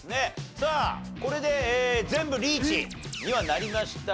さあこれで全部リーチにはなりました。